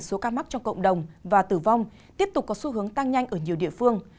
số ca mắc trong cộng đồng và tử vong tiếp tục có xu hướng tăng nhanh ở nhiều địa phương